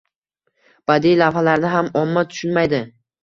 Badiiy lavhalarni ham omma tushunmaydi.